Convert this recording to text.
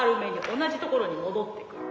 同じところに戻ってくる。